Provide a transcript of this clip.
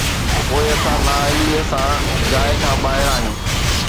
پوءِ اسان نااهليءَ سان جاءِ کان ٻاهر آهيون